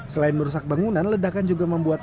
selain merusak bangunan ledakan juga membuat